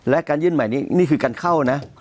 และการยื่นใหม่นี้นี่คือการเข้านะ